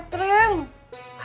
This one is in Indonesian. gak ada apa